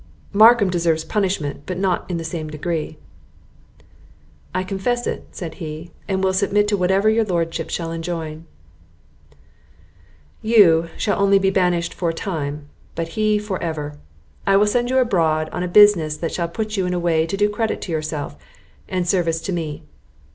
"Markham deserves punishment, but not in the same degree." "I confess it," said he, "and will submit to whatever your lordship shall enjoin." "You shall only be banished for a time, but he for ever. I will send you abroad on a business that shall put you in a way to do credit to yourself, and service to me.